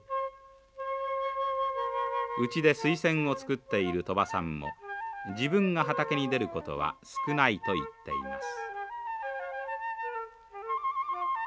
うちでスイセンを作っているトバさんも自分が畑に出ることは少ないと言っています。